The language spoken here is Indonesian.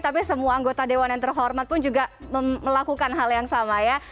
tapi semua anggota dewan yang terhormat pun juga melakukan hal yang sama ya